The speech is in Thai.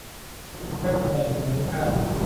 เว็บในภูมิภาค